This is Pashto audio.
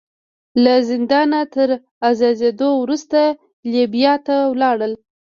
له زندانه تر ازادېدو وروسته لیبیا ته لاړ.